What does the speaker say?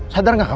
sadar gak kamu